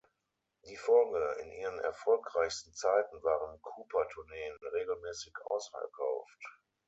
Die Folge: In ihren erfolgreichsten Zeiten waren Cooper-Tourneen regelmäßig ausverkauft.